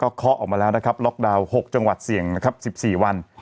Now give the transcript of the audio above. ก็ออกมาแล้วนะครับล็อกดาวน์หกจังหวัดเสี่ยงนะครับสิบสี่วัน